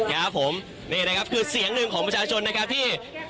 ครับผมนี่นะครับคือเสียงหนึ่งของประชาชนนะครับที่